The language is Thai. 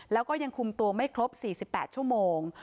แล้วก็ยังคุมตัวไม่ครบ๔๘ชั่วโมง